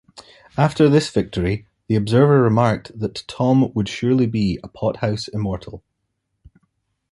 After this victory, The Observer remarked that Tom would surely be a 'Pothouse Immortal'.